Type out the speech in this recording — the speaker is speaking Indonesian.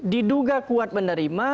diduga kuat menerima